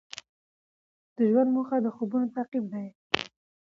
د ژوند موخه د خوبونو تعقیب دی.